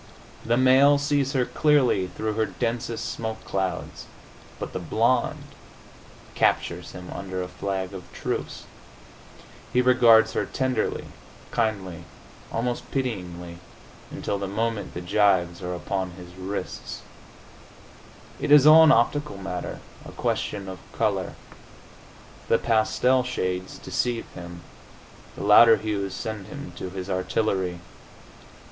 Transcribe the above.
The male sees her clearly through her densest smoke clouds.... But the blonde captures him under a flag of truce. He regards her tenderly, kindly, almost pityingly, until the moment the gyves are upon his wrists. It is all an optical matter, a question of color. The pastel shades deceive him; the louder hues send him to his artillery.